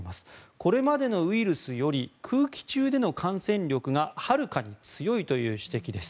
これまでのウイルスより空気中での感染力がはるかに強いという指摘です。